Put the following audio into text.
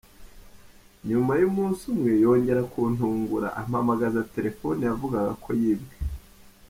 Nyuma y’umunsi umwe yongera kuntungura ampamamagaza telefoni yavugaga ko yibwe.